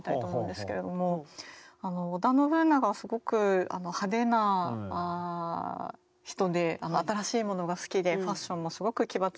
織田信長はすごく派手な人で新しいものが好きでファッションもすごく奇抜なものを好んだり。